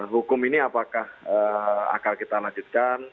hukum ini apakah akan kita lanjutkan